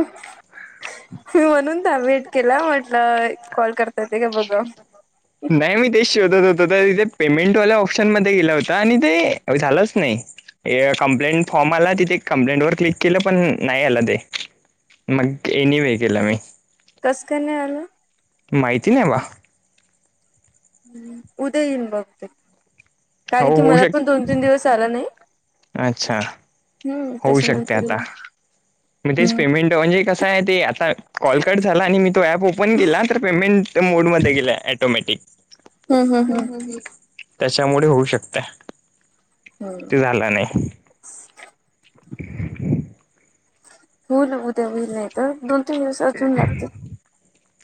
मी म्हणून द वेट केला म्हटलं कॉल करता येत का बघाव नाही मी तेच शोधत होत तर तिथे पेमेंट वाल्या ऑप्शन मध्ये गेलं होत आणि ते झालंच नाही. कं्प्लेंट फॉर्म आला तिथे कंप्लेंट वर क्लिक केलं पण नाही आला ते. मग एनवे केला मी. कसंक नाही आलं? माहिती नाही बा हम् उद्या येईन बघते कारण हो की होऊ मला शक पण दोन तीन दिवस आला नाही अच्छा हम्म होऊ शकते त्याच्यानंतर आता येईल. मग तेच हम्म पेमेंट म्हणजे कसं आहे ते आता कॉल कट झाला आणि मी तो ऍप ओपन केला तर पेमेंट मोडमध्ये गेलाय मॅटिक हम्म हम्म हम्म त्याच्यामुळे होऊ शकत. हम्म ते झालं नाही. [unintelligible] हो ना उद्या होईल नाही तर दोन तीन दिवस अजून लागतील.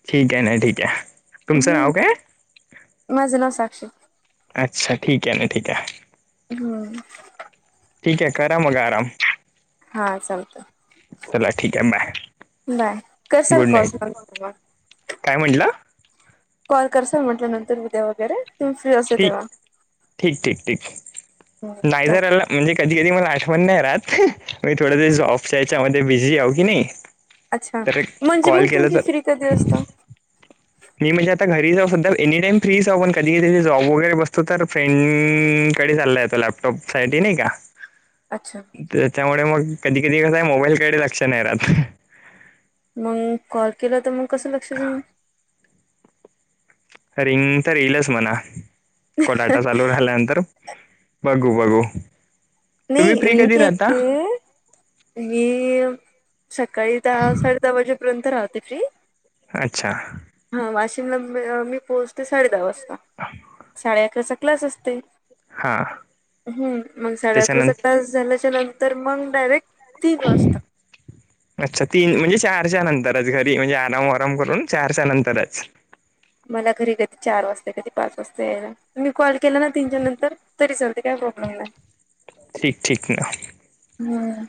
ठीक आहे ना ठीक आहे. तुमचं हम्म. नाव काय? माझ नाव साक्षी. अच्छा ठीक आहे ना ठीक आहे. हम्म. ठीक आहे करा मग आराम. हां चालतं. चला ठीक आहे. बाय, बाय करसाल गुड कॉल नाईट! मग, काय म्हटलं? कॉल करसा म्हटलं नंतर उद्या वगैरे, तुम्ही फ्री असते ठीक तेव्हा ठीक ठीक ठीक चाल नाझरला म्हणजे कधी कधी मला आठवण नाही राहात, मी थोडंस जॉबच्या याच्यामध्ये बिझी आहे की नाही. अच्छा तर म्हणजे कॉल मग केला तुमची तर फ्री कधी असत? मी म्हणजे आता घरी जाऊ सधा एनीटाइम फ्री जाऊ पण, कधी कधी जॉब वगैरे बसतो तर फ्रेंड कडे चाललाय जातो. लॅपटॉप साठी नाही का. अच्छा! त्याच्यामुळे मग कधी कधी कसय मोबाईलकडे लक्ष नाही राहत. मग कॉल केला तर मग कसं लक्षात येईल. रिंग तर येईलच म्हणा कोडाटा चालू राहिल्यानंतर. बघू बघू.. तुम्ही नाही फ्री रिंक कधी राहता? येते मी सकाळी दहा साडे दहा वाजेपर्यंत राहते फ्री. अच्छा! हा वाशिमला मी पोहोचते साडे दहा वाजता साडे अकरा वाजता क्लास असते. हां हम्म मग साडे त्याच्यानंतर अकराचा क्लास झाल्याच्या नंतर मग डायरेक्ट तीन वाजता. [unintelligible] अच्छा तीन म्हणजे चारच्या नंतरच घरी म्हणजे आराम वराम करून चारच्या नंतरच. मला घरी कधी चार वाजता कधी पाच वाजता यायला. मी कॉल केला ना तीनच्याार नंतर तरी चालते काय प्रॉब्लेम नाही. ठीक ठीक ना हम्म..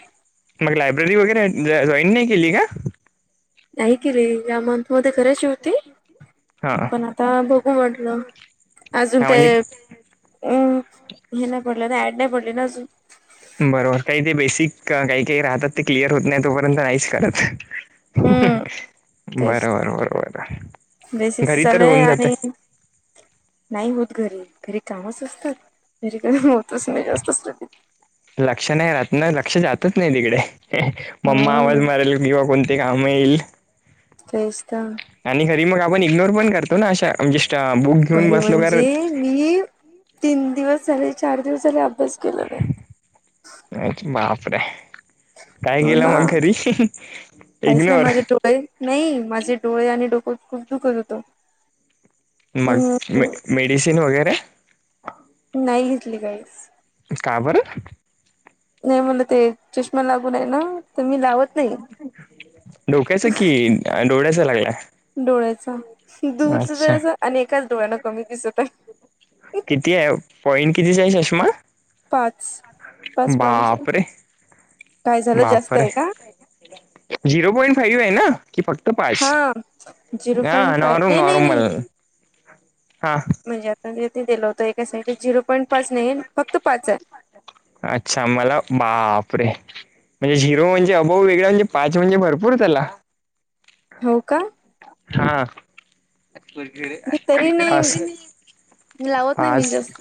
मग लायब्ररी वगैरे जॉईन नाही केली का? नाही केले या मंथ मध्ये करायची होती. हा पण आता बघू वाटलं अजून हा ते म्हणजे हम् हे नाही पडलं ना ऍड नाही पडली ना अजून. बरोबर काही ते बेसिक काही काही राहतात ते क्लिअर होत नाही तोपर्यंत आईश करात हम्म तेच बरोबर बरोबर बेसिकच घरी तर चालूय होऊन जाते. आणि नाही होत घरी घरी कामच असतात घरी गम होतच नाही जास्तचध. लक्ष नाही राहत ना लक्ष जातच नाही तिकडे मम्मा आवाज हम्म मारेल किंवा कोण ते आमहीईल.. तेचत. आणि खरी मग आपण इग्नोर पण करतो ना अशा म्हणजे च ब घरी म्हणजे मी तीन दिवस झाले चार दिवस झाले अभ्यास केला नाही. अ बापर काय हो केलं ना मग घरी काहीच नाही इग्नोर. माझे नाही माझे डोळे आणि डोकत खूप दुखत होतो. मग मेडिसिन वगैरे? नाही घेतली काही का बर? नाही मला ते चष्मा लागून आहे ना तर मी लावत नाही डोका्यायच कि डोळायच लागलय? डोळ्याचा दूरच जरा अस अनेकाच डोळ्याना कमी दिसत आहे. कती आहे पॉइंट किती चय चषमा? पाच पाच पॉंट बापरे काय झालं जास्त बापरे आहे का? झिरो पॉंट फाव्ह आहे ना? कि फक्त पाच हा झिरो हा पॉईंट फाय नॉम नाही नाही नाही नॉर्मल हा. म्हणजे आता ज दिलं होतं एका साइड झिरो पॉईंट पाच नाहीे फक्त पाच आहे. अच्छा मला बापरे! म्हणजे झिरो म्हणजे अभाऊ वेगळा म्हजे पाच म्हजे भरपूर झाला. हो का? मी तरी नाही [unintelligible] लावत नाही आज मी जास्त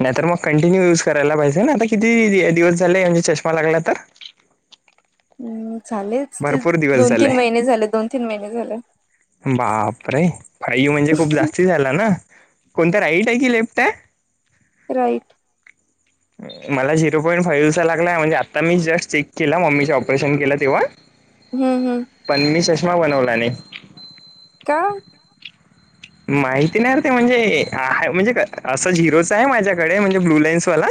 नाही तर मग कंटिन्यू युज करायला पाहिजे ना आता किती दिवस झाले म्हणजे चष्मा लागला तर? हम् लेच ते भरपूर दिवस दोन झाले तीन महिने झाले दोन तीन महिने झाले. बापरे फयू म्हणजे खूप जास्ती झाला ना कोणत राईट आहे की लेफ्ट आहे? राईट ह मला झिरो पॉईंट फाईव्हचा म्हणजे आता मी जस्ट चेक के म्मी ऑपरेशन केलं तेव्हा. हम् हम्म पण मी चष्मा बनवला नाही. का? माहिती नाही रे! ते म्हणजे म्हणजे असं झिरोच आहे माझ्याकडे म्हणजे ब्लू लाईन्सवाला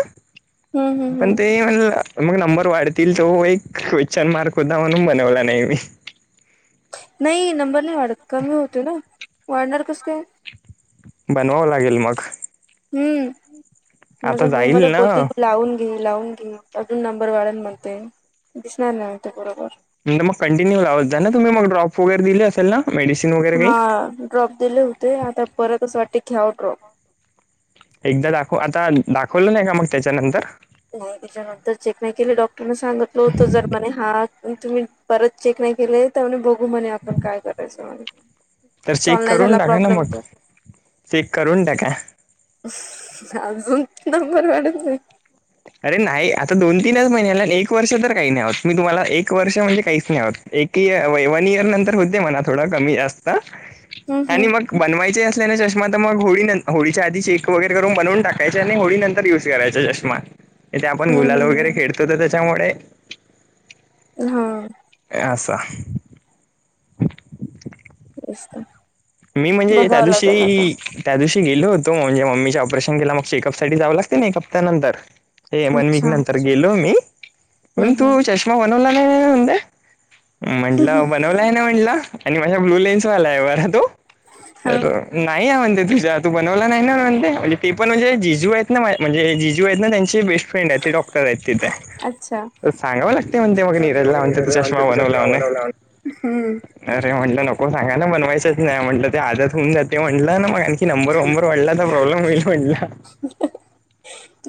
हम्म पण हम्म ते म्हणलं मग नंबर वाढतील तो एक क्वेश्चन मार्क होता म्हणून बनवला नाही मी. नाही नंबर नाही वाढत कमी होते ना वाढणार कसं काय? बनवावं लागेल मग. हम्म आता माझं होम जाईल मध्ये ना. बोती तू लावून. घे लावून घे अजून नंबर वाढल म्हणते दिसणार नाही ते बरोबर. म्ह मग कंटिन्यू लावत जा ना तुम्ही मग ड्रॉप वगैर दिल्ली असल ना? मेडिसिन वगैरे हा काही? ड्रॉप दिले होते आता परतच वाटते घ्याव ड्रॉप. एकदा दाखव आता दाखवलं नाही का मग त्याच्यानंतर? हो चेक नाही केले डॉक्टर न सांगितल हो जरणे हा तुम्ही परत चेक नाही केले तर मग बघू. आपण काय करायचं म्ह तर चेक करून टाका ना मग चेक करून टाका. नंबर वाते अरे नाही! आता दोन तीनच महिन्याला एक वर्ष तर काही नाही आहोत मी तुम्हाला एक वर्ष म्हणजे काहीच नाही आहोत. एक इर वन इयर नंतर होते म्हणा थोडं कमी जास्त हम्म आणि हम्म मग बनवायचे असल्याने च्मा तर मग होळी न होळीच्या आधी चे वगर करून बनूनाकायचे आणि होळी नंतर य करायचा चष्मा, इथे आपण हम्म गुलाल हम्म वगैरे हम्म खेळतो त त्याच्यामुळे ह. य अस. तेस त. मी म्हणजे, त्यादीवशी त्या दिवशी गेलो होतो म्हजे मम्मी ऑपरेशन केलं मग चेकअप सा जाव लागते ना एक हप्त्यानंतर. हे वन वीक अच्छा नंतर गेलो मी हम्म म्हण हम्म तू चष्मा बनवला नाही द्या- म्हंटलं बनवला आहे ना म्हंटलं आणि माझ्या ब्लू लेन्स वाला आहे बर तो हा तर नाही आहे म्हणते तुझ्या तू बनवला नाही ना म्हणते म्हणज ते पण म्हणजे जिजू आहेत ना माझे म्हणजे जिजू आहेत ना त्यांचे बेस्ट फ्रेंड आहेत ते डॉक्टर आहेत तिथे. अच्छा. सांगावं लागते म्हणते, मग हम्म निरजला म्हणते तू चष्मा बनवला म्हणे. अरे म्हटलं नको सांगा ला, बनवायचंच नाही म्हटलं ते आदत होऊन जाते, म्हटलं ना मग. की नंबर वंबर वाढला तर प्रॉब्लेम होईल म्हणला.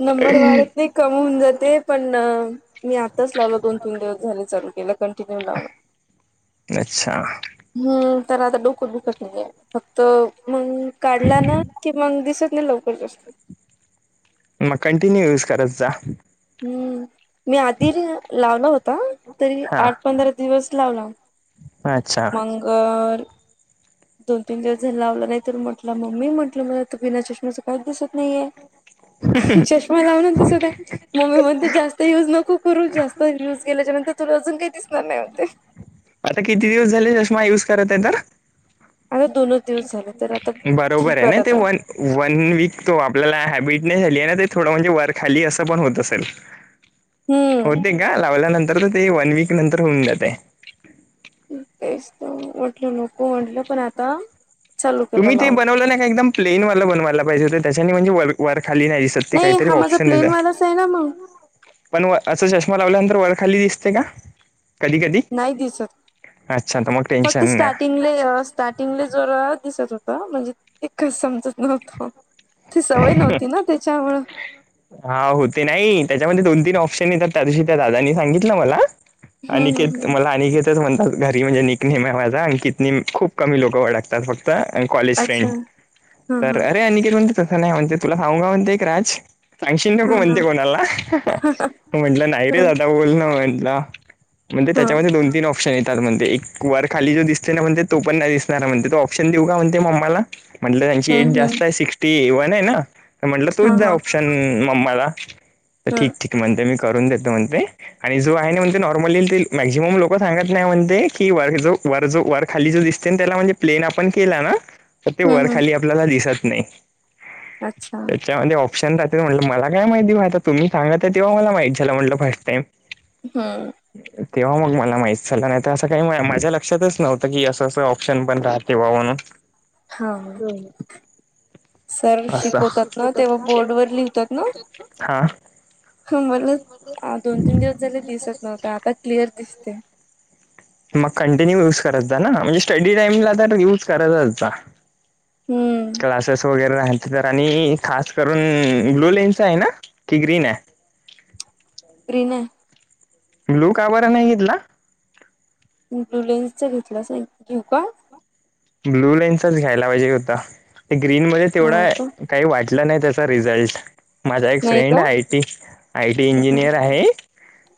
नंबर वाढत नाही, कमी होऊन जाते पण, मी आताच लावल, दोन तीन दिवस झाले चालू केलं, कंटिन्यू लावण. अच्छा. हम्म, तर आता डोकत दुखत नाहीये, फक्त मग काढला ना, कि मग दिसत नाही लवकर जास्त. मग, कंटिन्यू युज करत जा. हम्म, मी आधी लावल होत. आ, तरी हा आठ पंधरा दिवस लावला, अच्छा मंग [inaudible] दोन तीन दिवस झाल, लावला नाही तर, म्हटलं मम्मी मला त बिना चष्मेचं काहीच दिसत नाहीये. चष्मा लावूनच दिसते. मम्मी म्हणते जास्त युज नको करू, जास्त युज केल्याच्या नंतर तुला अजून काही दिसणार नाही म्हणते. आता किती दिवस झाले, चष्मा यूज करते तर. आता दोनच दिवस झाले, तर आता बरोबर ठीक ना वाटत ते वन आहे. वन वीक, तो आपल्याला हॅबिटनेस झाली आहे ना ते थोड म्हणजे वर खाली असं पण होत असेल. [inaudible] हम्म. ते का, लावल्यानंतर त ते वन वीक नंतर होऊन जाते. तेच त, म्हटल नको म्हटलं पण आता. चालू केला तुम्ही ते लावून बनवलं नाही का, एकदम प्लेन वाला बनवायला पाहिजे होत, त्याच्याने म्हणजे वरखाली नाही दिसत. तर ते काहीतरी हा माझा ऑप्शन प्लेन देता. वालाच आहे ना मग पण असं चष्मा लावल्यानंतर, वरखाली दिसते का? कधी कधी, नाही दिसत अच्छा त मग फक्त टेन्शन नाही. स्टार्टिंगले स्टार्टिंगले जरा दिसत होत, म्हणजे एकच समजत नव्हतं. ती सवय नव्हती ना, त्याच्यामुळं. हा हो ते नाही, त्याच्यामध्ये दोन तीन ऑप्शन येतात, त्या दिवशी त्या दादानी सांगितलं मला. हम्म हम्म अनिकेत हम्म मला अनिकेत म्हणतात, घरी म्हणजे निक नेमे माझा अंकितने खूप कमी लोकं ओळखतात, फक्त त अन कॉलेज फ्रेंड, अच्छा हा तर हा अरे अनिकेत म्हणता. तसं नाही म्हणते, तुला सांगूका म्हणते एक राज? सांगशीन हा नको हा म्हणते कोणाला, म्हंटलं नाही रे ह दादा बोलणा म्हटलं. म्हणते, हा त्याच्यामध्ये दोन तीन ऑप्शन येतात म्हणते. वर खाली जो दिसते ना म्हणते, तो पण नाही दिसणार म्हणते, तो ऑप्शन देऊ का म्हणते मम्माला. म्हटलं त्यांची एज हम्म हम्म जास्तय, सिक्स्टी वने ना, म्हटलं तोच हा द्या, हा ऑप शन मम्माला, ठीक हम्म ठीक म्हणते, मी करून देतो म्हणते. आणि जो आहे ना म्हणते, नॉर्मली मॅक्झिमम लोक सांगत नाही म्हणते, की वर जो वर जो वर खाली जो दिसते ना, त्याला म्हणजे प्लेन आपण केला ना, त ते वर हम्म हम्म खाली आपल्याला दिसत नाही. अच्छा. त्याच्यामध्ये ऑप्शन जात म्हटल मला काय माहिती आता तुम्ही सांगतल तेव्हा मला माहिती झालं म्हटलं फर्स्ट टाईम. हम्म. तेव्हा मग मला माहित झाल नाही तर असं काही माझ्या लक्षातच नव्हतं की असं अस ऑप्शन पण राहतेव्हा म्हणून. [unintelligible] [unintelligible] हा, ह. सर जेव्हा शिकवतात ना, तेव्हा बोर्डवरर लिवतात ना, ना हा म्हणून च दोन तीन दिवस झाले, दिसत नव्हता, आता क्लिअर दिसते. मग कंटिन्यू युज करत जा ना, म्हणजे स्टडी टाईमला तर, युज करतच जा. हम्म क्लासेस वगैरे आहेत. तर आणि खास करून ब्लू लेनच आहे ना की ग्रीन आहे? प्रिणे ब्लू का बरं नाही घेतला? ब्लु लेन्सच घेतलाच नाही. घेऊ का? ब्लू लेनचाच घ्यायला पाहिजे होता ग्रीनमध्ये हो तेवढा का काही वाटलं नाही त्याचा रिझल्ट. माझा एक नाही का फ्रेंड आयीटी, आयटी हा इंजिनियर आहे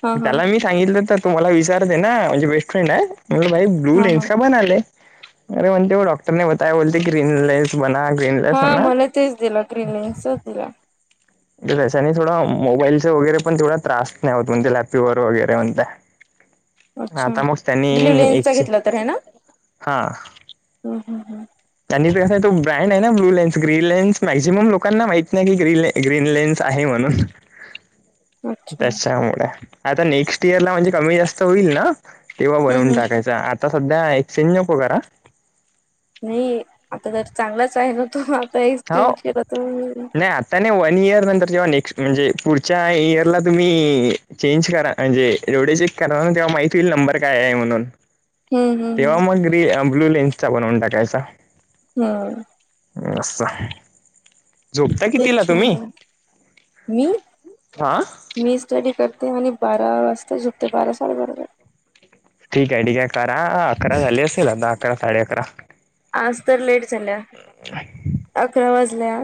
हा त्याला मी सांगितलं तर तुम्हाला विसारते ना म्हणजे बेस्ट फ्रेंड आहे म्हटलं भाई ब्लू हा हा लेन्स चा बनाले अरे म्हणते डॉक्टने बताया बोलते ग्रीन लेन्स बना ग्रीन लेन्स हा बना मला तेच दिलं ग्रीनलेन्सच दिला. त्याच्याने थोडं मोबाईलच वगैरे पण तेवढा त्रास नाही होत म्हणजे लॅपटॉप वगैरे म्हणता. अच्छा आता मग त्यांनी ब्ल्यू लेन्सचा एकचे घेतला तर आहे ना हा.. हम्म, हम्म, हम्म. त्यांनी कसं तो brand blue lens, green lens maximum लोकांना माहीत नाही की ग्रीन लेन्स ग्रीन लेन्स आहे म्हणून. अच्छा त्याच्यामुळे आता नेक्स्ट इयर ला म्हणजे कमी जास्त होईल ना? तेव्हा हम्म, बनवून हम्म. टाकायच आता सध्या एक्सचेंज नको करा नाही आता तर चांगलाच आहे न तो आता एक्सचेंज केला त. त्या नाही वन इयर नंतर जेव्हा नेक्स्ट म्हणजे पुढच्या इयरला तुम्ही चेंज करा म्हणजे डोळे चेक करा तेव्हा माहती होईल नंबर काय आहे म्हणून.. हम्म हम्म तेव्हा हम्म मग ब्लू लेन्सचा बनवून टाकायचा. हम्म. अस. झोपता तेच कितीला छान तुम्ही आहे. मी हा? मी स्टडी करते आणि बारा वाजता झोपते बारा, साडे बारा ला. ठीक आहे ठीके करा अकरा झाले असतील आता अकरा, साडे अकरा. आज तर लेट झाल्या अकरा वाजल्या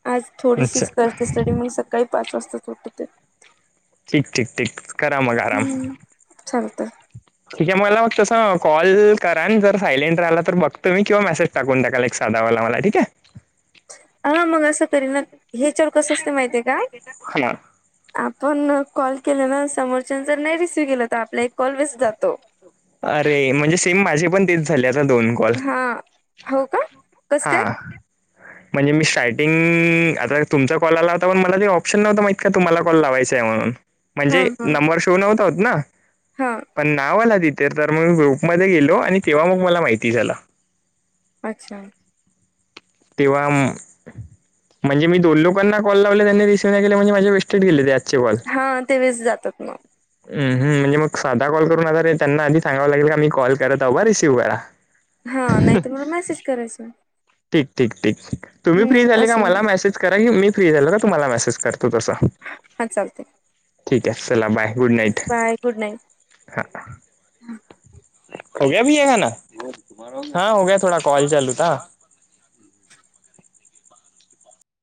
आज. आज अच्छा थोडीशीच करते स्टडी मग सकाळी पाच वाजता उठते. ठीके, ठीक, करा मग आराम हम्म चालतय ठीक आहे मला मग तस कॉल करा जर सायलेंट राहिला तर बघतो मी किंवा मेसेज टाकून द्याल एक साधा वाला मला ठीके आहे. हा मग असं करी ना हे चवर आहे कसं असते माहती आहेय का? हा आपण कॉल केले ना समोरच्या जर नाही रिसीव्ह केलं तर आपला एक कॉल वेस्ट जातो. अरे म्हणजे सेम माझे पण तेच झाले आता दोन कॉल. हा हो का कस काय? हां. म्हणजे मी स्टार्टिंग आता तुमचा कॉल आलाव होता पण मला ते ऑप्शन नव्हत माहित का तुम्हाला कॉल लावायचा आहे म्हणून. म्हणजे नंबर शो नव्हता होत ना. हां. पण नावला तिथे तर मी ग्रुपमध्ये गेलो आणि तेव्हा मग मला माहिती झालं. अच्छा. तेव्हा म्हणजे मी दोन लोकांना कॉल लावले त्यांनी रिसीव्ह नाही केले म्हणजे माझे वेस्टेट गेले त्या हा ते वेस्ट जातात मग हमम म्हणजे मग साधा कॉल करून आताे त्यांना आधी सांगाव लागेल का मी कॉल करत बा रिसीव्ह करा हा नाही तर मला मेसेज करायचं ठीक ठीक ठीक तुम्ही फ्री झाली असं का मेसेज करा की मी फ्री झालो का तुम्हाला मेसेज करतो तसं. हां चालते. ठीक आहे चला bye good night bye good night हा. होग्या भैया खाना तुम्हारा हा होगया थोडा कॉल चालूथा.